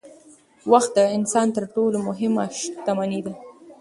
وخت د انسان تر ټولو مهمه شتمني ده